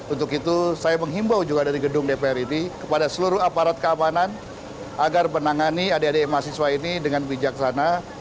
untuk itu saya menghimbau juga dari gedung dpr ini kepada seluruh aparat keamanan agar menangani adik adik mahasiswa ini dengan bijaksana